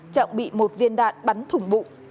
trọng bị một viên đạn bắn thủng bụng